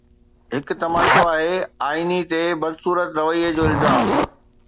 هڪ تماشو آهي، آئيني تي بدصورت رويي جو الزام